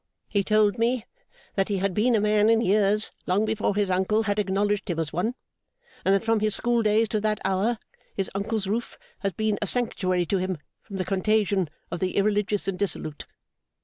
He told me that he had been a man in years long before his uncle had acknowledged him as one; and that from his school days to that hour, his uncle's roof has been a sanctuary to him from the contagion of the irreligious and dissolute.